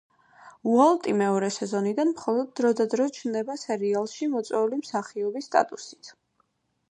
უოლტი მეორე სეზონიდან მხოლოდ დროდადრო ჩნდება სერიალში მოწვეული მსახიობის სტატუსით.